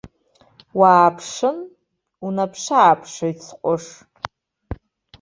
Уааԥшын, унаԥшы-ааԥшуеит, сҟәыш.